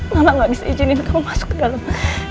mama gak bisa izinin kamu masuk ke dalam